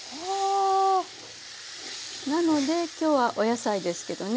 なので今日はお野菜ですけどね